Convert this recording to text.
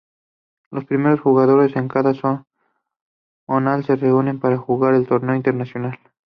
Los primeros jugadores en cada Zonal se reunían para jugar el torneo Interzonal.